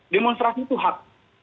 demonstrasi itu hak